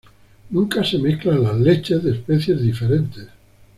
Nunca se mezclan las leches de especies diferentes.